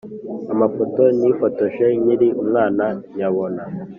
amafoto nifotoje nkiri umwana nyabona